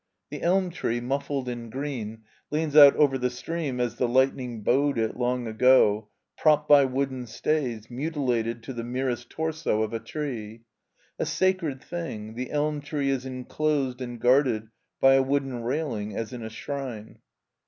The elm tree, muflOied in green, leans out over the stream as the lightning bowed it long ago, propped by wooden stays, mutilated to the merest torso of a tree. A sacred thing, the elm tree is inclosed and guarded by a wooden railing as in a shrine.